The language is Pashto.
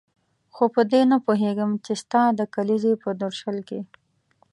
خو په دې نه پوهېږم چې ستا د کلیزې په درشل کې.